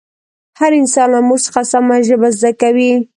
هر انسان له مور څخه سمه ژبه زده کوي